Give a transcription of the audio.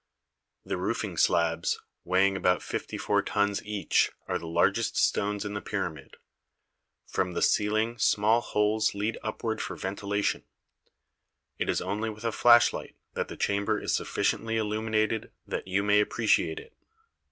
The roofing slabs, weighing about fifty four tons each, are the largest stones in the pyramid. From the ceiling small holes lead upward for ventilation. It is only with a flashlight that the chamber is sufficiently illuminated that you may appreciate it.